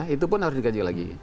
itu pun harus dikaji lagi